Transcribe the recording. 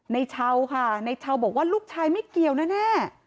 ในเช้าค่ะในเช้าบอกว่าลูกชายไม่เกี่ยวแน่